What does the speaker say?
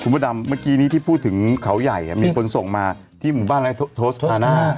คุณพระดามเมื่อกี้พูดถึงเขาใหญ่มีคนส่งมาที่หมู่บ้านเราโทสตานะ